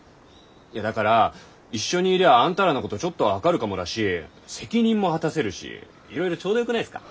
いやだから一緒にいりゃあんたらのことちょっとは分かるかもだし責任も果たせるしいろいろちょうどよくないっすか。